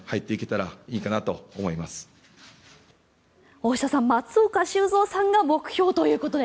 大下さん、松岡修造さんが目標ということで。